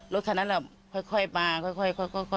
รถคันนั้นแหละค่อยมาค่อย